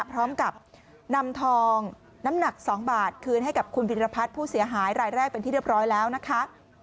พร้อมกับนำทองน้ำหนัก๒บาทคืนให้กับคุณพิรพัฒน์ผู้เสียหายรายแรกเป็นที่เรียบร้อยแล้วนะคะ